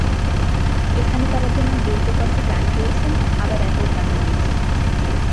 এখানে তাঁরা যেমন দ্বৈত কণ্ঠে গান গেয়েছেন, আবার একক গানও গেয়েছেন।